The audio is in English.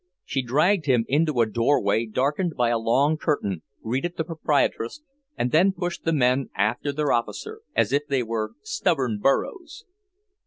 She dragged him into a doorway darkened by a long curtain, greeted the proprietress, and then pushed the men after their officer, as if they were stubborn burros.